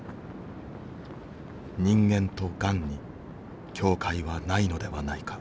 人間とがんに境界はないのではないか。